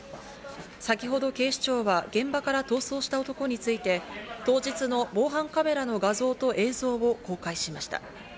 先ほど警視庁は、現場から逃走した男について、当日の防犯カメラの画像と映像を公開しました。